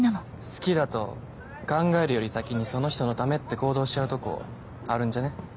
好きだと考えるより先にその人のためって行動しちゃうとこあるんじゃね？